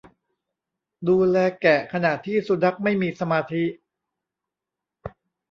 ดูแลแกะขณะที่สุนัขไม่มีสมาธิ